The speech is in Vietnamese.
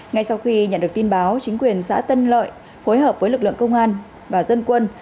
ngay sau khi nhận được tin báo chính quyền xã tân lợi phối hợp với lực lượng công an và dân quân